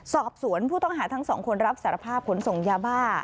สอบสวนผู้ต้องหาทั้งสองคนรับสารภาพขนส่งยาบ้า